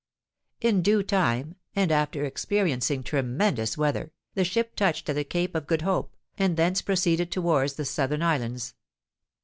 In due time, and after experiencing tremendous weather, the ship touched at the Cape of Good Hope, and thence proceeded towards the southern islands.